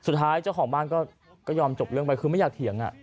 เจ้าของบ้านก็ยอมจบเรื่องไปคือไม่อยากเถียง